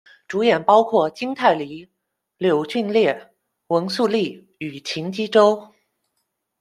主演包括金泰梨、柳俊烈、文素利与秦基周。